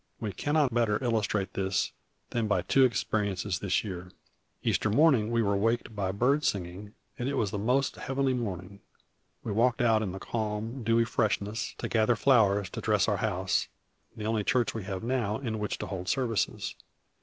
We cannot better illustrate this than by two experiences this year. Easter morning we were waked by bird singing; and it was a most heavenly morning. We walked out in the calm, dewy freshness, to gather flowers to dress our house, the only church we have now in which to hold services.